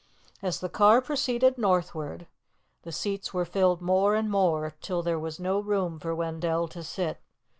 As the car proceeded northward, the seats were filled more and more, till there was no room for Wendell to sit.